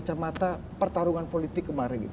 baca mata pertarungan politik kemarin